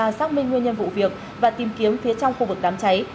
xác minh nguyên nhân vụ việc và tìm kiếm phía trong khu vực đám cháy